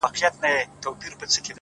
ما ټول عمر هم دا کړي د اوس چې څه کومه